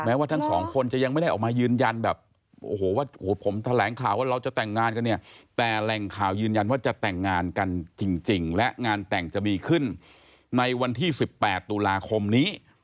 ว่าทั้งสองคนจะยังไม่ได้ออกมายืนยันแบบโอ้โหว่าผมแถลงข่าวว่าเราจะแต่งงานกันเนี่ยแต่แหล่งข่าวยืนยันว่าจะแต่งงานกันจริงและงานแต่งจะมีขึ้นในวันที่๑๘ตุลาคมนี้